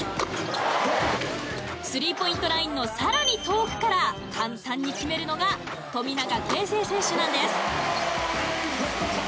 スリーポイントラインの更に遠くから簡単に決めるのが富永啓生選手なんです。